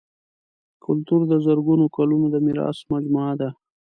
کلتور د زرګونو کلونو د میراث مجموعه ده.